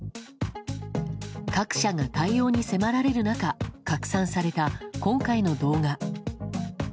各社が対応に迫られる中拡散された今回の動画。